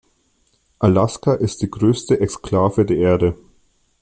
Alaska ist die größte Exklave der Erde.